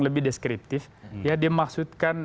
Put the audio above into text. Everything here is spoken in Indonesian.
lebih deskriptif ya dimaksudkan